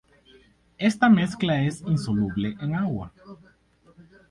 Esta mezcla es insoluble en agua.